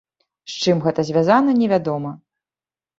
З чым гэта звязана, невядома.